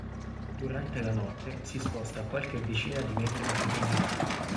Durante la notte si sposta a qualche decina di metri di profondità.